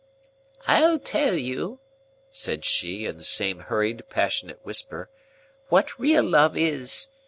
"I'll tell you," said she, in the same hurried passionate whisper, "what real love is.